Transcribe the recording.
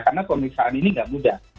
karena pemeriksaan ini tidak mudah